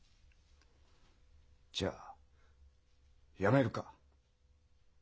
じゃあやめるか？